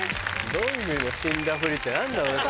どんぐりの死んだふりって何だろうね